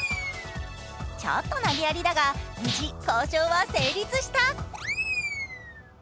ちょっと投げやりだが、無事交渉は成立した。